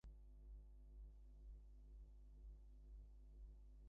Cole responded by throwing water into Lawler's face and then running backstage.